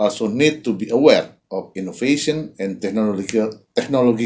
dalam pengembangan inovasi dan pengembangan teknologi